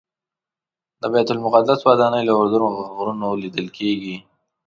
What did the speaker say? د بیت المقدس ودانۍ له اردن غرونو لیدل کېږي.